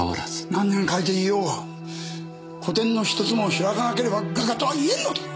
何年描いていようが個展のひとつも開かなければ画家とは言えんのだ！